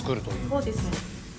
そうですね。